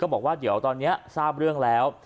บอกว่าเดี๋ยวตอนนี้ทราบเรื่องแล้ว